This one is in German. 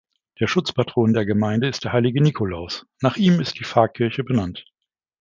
Der Schutzpatron der Gemeinde ist der Heilige Nikolaus, nach ihm ist die Pfarrkirche benannt.